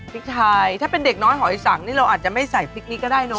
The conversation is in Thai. พริกไทยถ้าเป็นเด็กน้อยหอยสังนี่เราอาจจะไม่ใส่พริกนี้ก็ได้เนอ